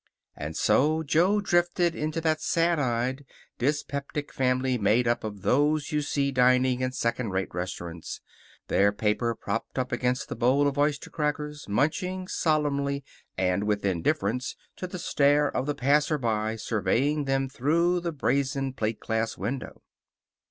And so Jo drifted into that sad eyed, dyspeptic family made up of those you see dining in second rate restaurants, their paper propped up against the bowl of oyster crackers, munching solemnly and with indifference to the stare of the passer by surveying them through the brazen plate glass window.